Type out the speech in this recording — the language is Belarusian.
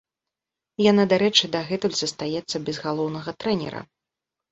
Яна, дарэчы, дагэтуль застаецца без галоўнага трэнера.